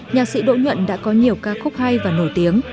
nhạc sĩ đỗ nhuận đã có nhiều ca khúc hay và nổi tiếng